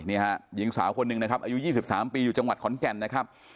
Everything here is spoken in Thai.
นี่ฮะหญิงสาวคนหนึ่งนะครับอายุ๒๓ปีอยู่จังหวัดขอนแก่นนะครับ